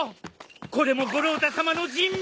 これも五郎太さまの人望。